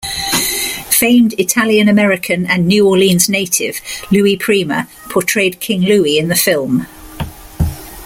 Famed Italian-American and New Orleans native Louis Prima portrayed King Louie in the film.